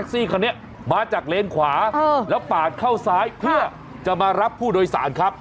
ซี่คันนี้มาจากเลนขวาแล้วปาดเข้าซ้ายเพื่อจะมารับผู้โดยสารครับ